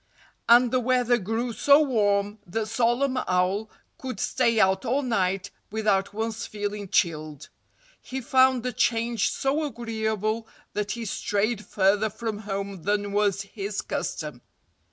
And the weather grew so warm that Solomon Owl could stay out all night without once feeling chilled. He found the change so agreeable that he strayed further from home than was his custom.